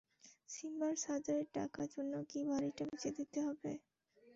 সিম্বার সার্জারির টাকার জন্য কি বাড়িটা বেঁচে দিতে হবে?